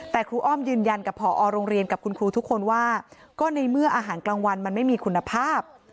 แต่ครูอ้อมยืนยันกับผอโรงเรียนกับคุณครูทุกคนว่าก็ในเมื่ออาหารกลางวันมันไม่มีคุณภาพ